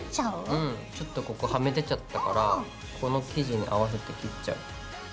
うんちょっとここはみ出ちゃったからこの生地に合わせて切っちゃう。